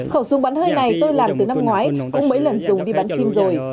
khẩu súng bắn hơi này tôi làm từ năm ngoái cũng mấy lần dùng đi bắn chim rồi